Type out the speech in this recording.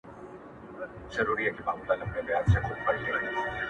حسن كه گل نه وي خو ښكـلا پـكـــي مـــوجــــوده وي.